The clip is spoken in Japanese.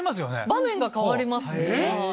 場面が変わります。